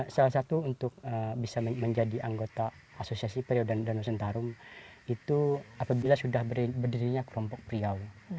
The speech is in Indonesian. salah satu untuk bisa menjadi anggota asosiasi priau dan danau sentarung itu apabila sudah berdirinya kerompok priau